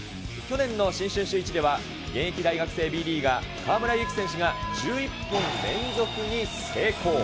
去年の新春シューイチでは、現役大学生Ｂリーガー、河村優輝選手が、１１本連続に成功。